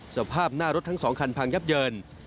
สภาพหน้ารถทั้ง๒คันพังยับเยิน